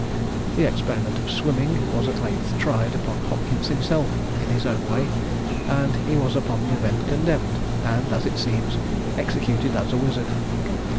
The experiment of swimming was at length tried upon Hopkins himself, in his own way, and he was upon the event condemned, and, as it seems, executed as a wizard.